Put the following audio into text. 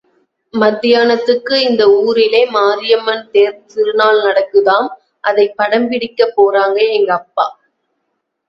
மத்தியானத்துக்கு இந்த ஊரிலே மாரியம்மன் தேர் திருநாள் நடக்குதாம் – அதைப் படம் பிடிக்கப்போறாங்க எங்க அப்பா.